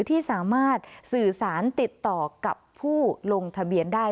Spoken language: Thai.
ที่สามารถสื่อสารติดต่อกับผู้ลงทะเบียนได้